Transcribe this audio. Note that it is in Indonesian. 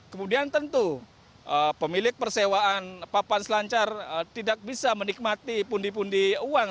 kemudian tentu pemilik persewaan papan selancar tidak bisa menikmati pundi pundi uang